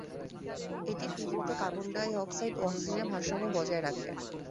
এটি পৃথিবীতে কার্বন-ডাইঅক্সাইড ও অক্সিজেনের ভারসাম্য বজায় রাখে।